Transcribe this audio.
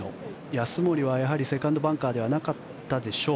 安森はやはりセカンドバンカーではなかったでしょう。